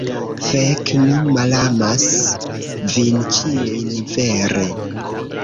Fek, mi malamas vin ĉiujn! Vere!